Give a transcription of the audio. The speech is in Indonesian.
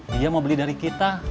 dia mau beli dari kita